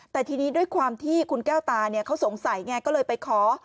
แต่ทีนี้ด้วยความที่คุณแก้วตาเขาสงสัยไงก็เลยไปขอ